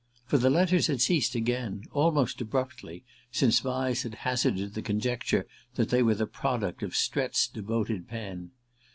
For the letters had ceased again, almost abruptly, since Vyse had hazarded the conjecture that they were the product of Strett's devoted pen.